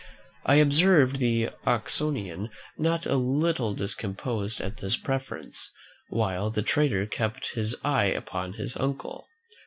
I observed the Oxonian not a little discomposed at this preference, while the trader kept his eye upon his uncle.